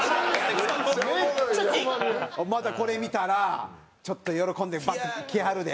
またこれ見たらちょっと喜んでバッてきはるで。